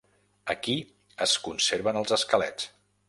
Aquí es conserven els esquelets.